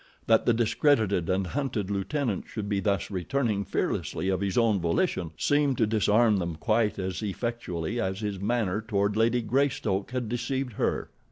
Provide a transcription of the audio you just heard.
That the discredited and hunted lieutenant should be thus returning fearlessly of his own volition, seemed to disarm them quite as effectually as his manner toward Lady Greystoke had deceived her.